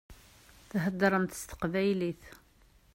Theddṛemt s teqbaylit.